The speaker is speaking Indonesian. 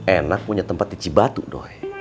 enak punya tempat tici batu doi